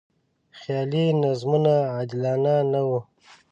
خیالي نظمونه عادلانه نه و.